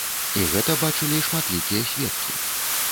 І гэта бачылі шматлікія сведкі.